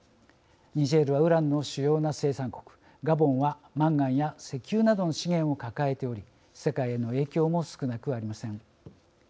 ニジェールはウランの主要な生産国ガボンはマンガンや石油などの資源を抱えており世界への影響も少なくありません。